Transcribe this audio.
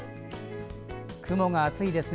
雲が厚いですね。